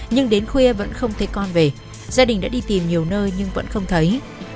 nhưng đến khuya vẫn không thấy con về gia đình đã đi tìm nhiều nơi nhưng vẫn không thấy